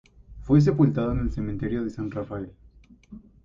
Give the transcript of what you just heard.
Fue sepultado en el cementerio de San Rafael.